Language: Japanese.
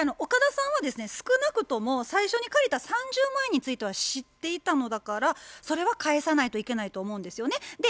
岡田さんはですね少なくとも最初に借りた３０万円については知っていたのだからそれは返さないといけないと思うんですよね。